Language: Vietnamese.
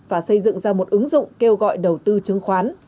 và xây dựng ra một ứng dụng kêu gọi đầu tư chứng khoán